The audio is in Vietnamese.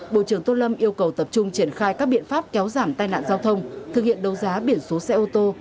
bộ trưởng tô lâm yêu cầu tập trung triển khai các biện pháp kéo giảm tai nạn giao thông thực hiện đấu giá biển số xe ô tô